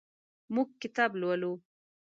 موږ کتاب لولو.